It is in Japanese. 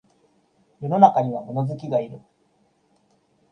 世の中には物好きがいる